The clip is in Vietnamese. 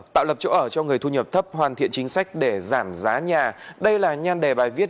tạo lập chỗ ở cho người thu nhập thấp hoàn thiện chính sách để giảm giá nhà đây là nhan đề bài viết